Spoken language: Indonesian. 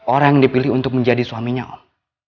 orang yang dipilih untuk menjadi suaminya om